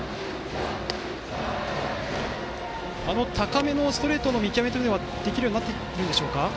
高めのストレートの見極めはできるようになってきましたか？